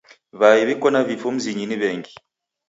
W'ai w'iko na vifu mzinyi ni w'engi.